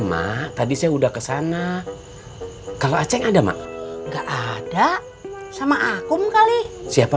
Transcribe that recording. mak tadi saya udah kesana kalau aceh ada mak enggak ada sama akum kali siapa